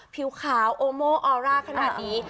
ผิวขาวโอโมออร่าขนาดนี้